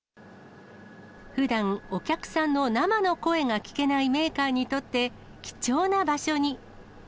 ふだんお客さんの生の声が聞けないメーカーにとって、貴重な場所に。